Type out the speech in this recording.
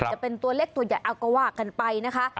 จะเป็นตัวเล็กตัวใหญ่เอาก็ว่ากันไปนะคะ